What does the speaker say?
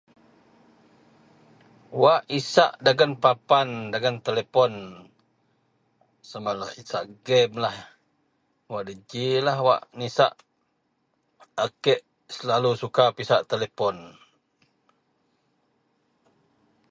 wak isak dagen papan dagen telepon samalah isak gamelah wak gejilah wak njisak a kek selalu suka pisak telepon